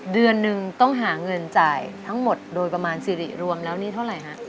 เดือนหนึ่งต้องหาเงินจ่ายทั้งหมดโดยประมาณสิริรวมแล้วนี่เท่าไหร่ฮะ